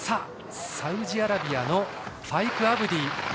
サウジアラビアのファイク・アブディ。